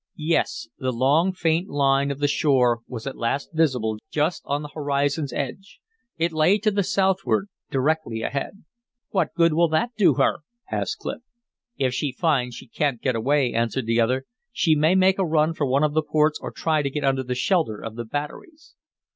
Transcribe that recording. Yes, the long, faint line of the shore was at last visible just on the horizon's edge. It lay to the southward, directly ahead. "What good will that do her?" asked Clif. "If she finds she can't get away," answered the other, "she may make a run for one of the ports or try to get under the shelter of the batteries."